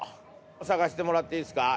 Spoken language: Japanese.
探してもらっていいですか？